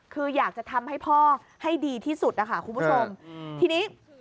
คืออยากจะทำให้พ่อให้ดีที่สุดนะคะคุณผู้ชมทีนี้